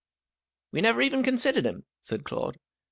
"We never even considered him," said Claude.